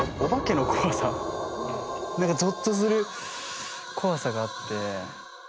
何かぞっとする怖さがあって。